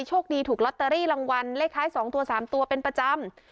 โชคดีถูกลอตเตอรี่รางวัลเลขท้าย๒ตัว๓ตัวเป็นประจำ